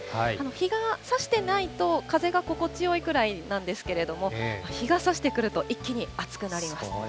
日がさしてないと、風が心地よいくらいなんですけれども、日がさしてくると、一気に暑くなります。